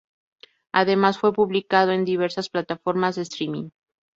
Además, fue publicado en diversas plataformas de streaming.